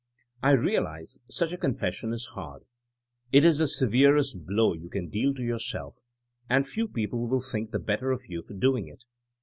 I realize such a confession is hard. It is the severest blow you can deal to your self, and few people will think the better of you for doing it.